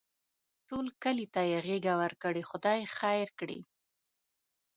ټول کلي ته یې غېږه ورکړې؛ خدای خیر کړي.